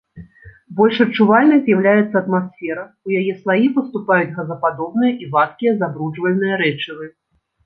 Больш адчувальнай з'яўляецца атмасфера, у яе слаі паступаюць газападобныя і вадкія забруджвальныя рэчывы.